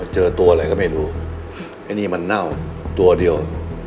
เจอตัวอะไรก็ไม่รู้ไอ้นี่มันเน่าตัวเดียว